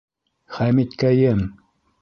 Хәмиткәйем!